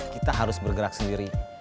kita harus bergerak sendiri